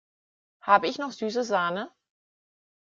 Habe ich noch süße Sahne?